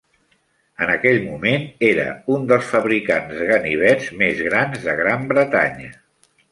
En aquell moment, era un dels fabricants de ganivets més grans de Gran Bretanya.